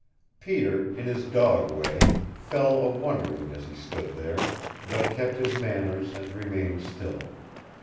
Peter, in his dog way, fell a wondering as he stood there, but kept his manners and remained still.